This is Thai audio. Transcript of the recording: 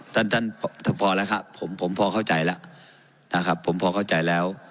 ท่านท่านพอแล้วครับผมผมพอเข้าใจแล้วนะครับผมพอเข้าใจแล้ว